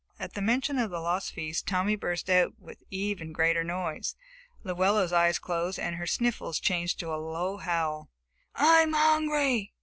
At the mention of the lost feast, Tommy burst out with even greater noise. Luella's eyes closed and her sniffles changed to a low howl. "I'm hungry!"